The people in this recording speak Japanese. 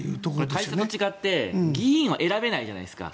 会社と違って議員は選べないじゃないですか。